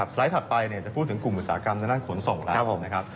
ไลด์ถัดไปจะพูดถึงกลุ่มอุตสาหกรรมทางด้านขนส่งแล้วนะครับ